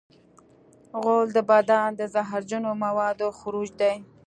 غول د بدن د زهرجنو موادو خروج دی.